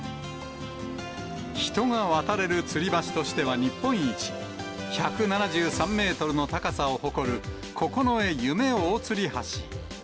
人が渡れるつり橋としては日本一、１７３メートルの高さを誇る九重夢大吊橋。